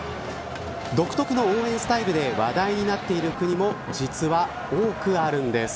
独特の応援スタイルで話題になっている国も実は多くあるんです。